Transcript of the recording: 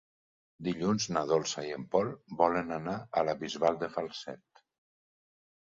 Dilluns na Dolça i en Pol volen anar a la Bisbal de Falset.